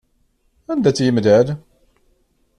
Anda tt-yemlal?